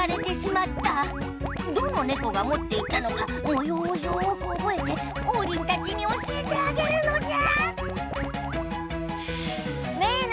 どのネコがもっていったのかもようをよくおぼえてオウリンたちに教えてあげるのじゃ！